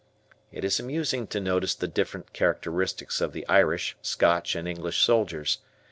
It is amusing to notice the different characteristics of the Irish, Scotch, and English soldiers.